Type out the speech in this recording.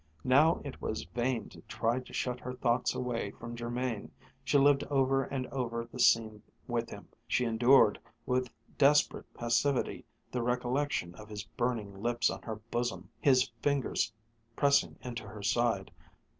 Now it was vain to try to shut her thoughts away from Jermain. She lived over and over the scene with him, she endured with desperate passivity the recollection of his burning lips on her bosom, his fingers pressing into her side.